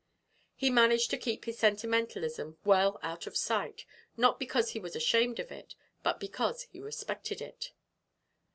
He managed to keep his sentimentalism well out of sight, not because he was ashamed of it, but because he respected it.